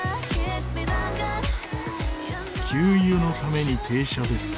給油のために停車です。